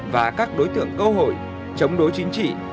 và các đối tượng cơ hội chống đối chính trị